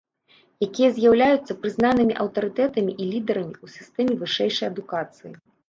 Якія з'яўляюцца прызнанымі аўтарытэтамі і лідарамі ў сістэме вышэйшай адукацыі.